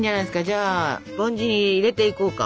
じゃあスポンジに入れていこうか。